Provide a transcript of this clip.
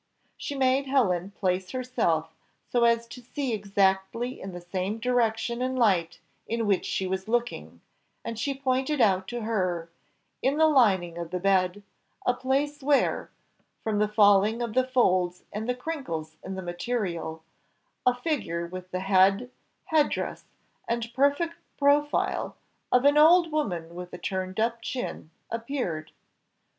She made Helen place herself so as to see exactly in the same direction and light in which she was looking, and she pointed out to her, in the lining of the bed, a place where, from the falling of the folds and the crinkles in the material, a figure with the head, head dress, and perfect profile of an old woman with a turned up chin, appeared.